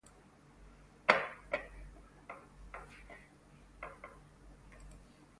His brother was the priest and writer George Waddington.